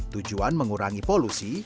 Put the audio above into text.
tujuan mengurangi polusi